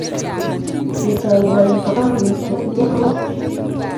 Kitoi rwaik kopa mutyo itya ko rwaiya